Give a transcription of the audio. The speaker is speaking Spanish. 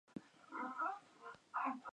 Le Pas-Saint-l'Homer